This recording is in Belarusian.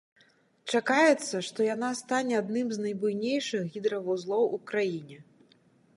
Чакаецца, што яна стане адным з найбуйнейшых гідравузлоў у краіне.